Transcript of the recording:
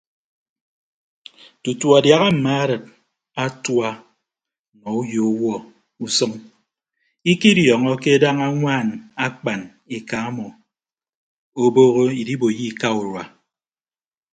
Tutu adiaha mma arịd atua nọ uyo ọwuọ usʌñ ikidiọọñọke daña añwaan akpan eka ọmọ obooho idiboiyo ika urua.